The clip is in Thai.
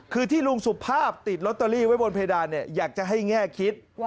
คือที่ลุงสุภาพติดลอตเตอรี่ไว้บนเพดานเนี่ยอยากจะให้แง่คิด